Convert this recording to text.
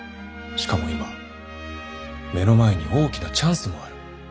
しかも今目の前に大きなチャンスもある。